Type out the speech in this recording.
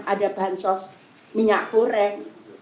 ada bahan sos minyak goreng